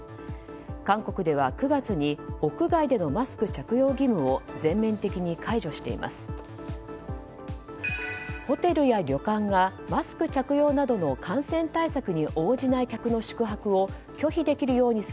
韓国では９月に屋外でのマスク着用義務を全面的に解除しています。